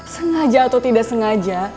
sengaja atau tidak sengaja